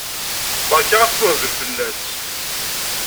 Berka asmuhbel fell-as!